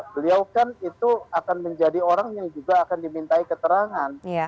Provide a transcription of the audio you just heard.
beliau kan itu akan menjadi orang yang juga akan dimintai keterangan